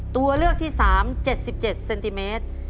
ตัวเลือกที่๓๗๗เซนติเมตร